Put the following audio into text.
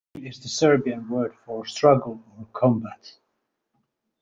Its name is the Serbian word for 'struggle' or 'combat'.